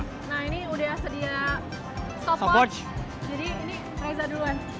nah ini sudah sedia stopwatch jadi ini reza duluan